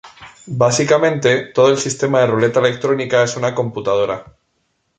Básicamente, todo el sistema de ruleta electrónica es una computadora.